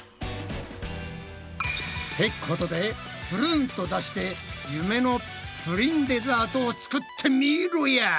ってことでぷるんと出して夢のプリンデザートを作ってみろや！